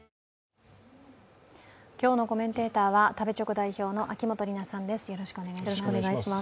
今日のコメンテーターは食べチョク代表の秋元里奈さんです。